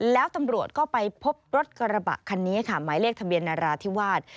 แล้วตำรวจก็ไปพบรถกระบะคันนี้ค่ะหมายเลขทะเบียนนราธิวาส